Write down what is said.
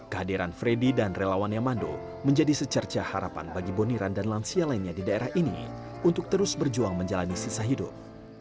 kehadiran freddy dan relawan yamando menjadi secerca harapan bagi boniran dan lansia lainnya di daerah ini untuk terus berjuang menjalani sisa hidup